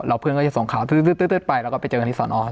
เราเพื่อนเขาจะส่งข่าวไปแล้วก็ไปเจอกันที่ศอนออส